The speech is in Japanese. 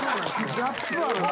ギャップあるな。